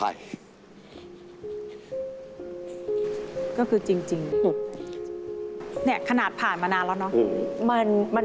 นี่ขนาดผ่านมานานแล้วเนอะ